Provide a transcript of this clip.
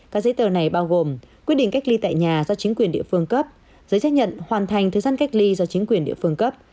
các giấy tờ này bao gồm quyết định cách ly tại nhà do chính quyền địa phương cấp giấy chắc nhận hoàn thành thời gian cách ly do chính quyền địa phương cấp